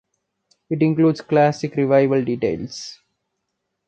It includes Classical Revival details.